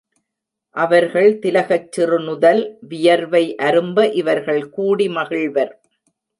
அவர்கள் திலகச் சிறுநுதல் வியர்வை அரும்ப இவர்கள் கூடி மகிழ்வர்.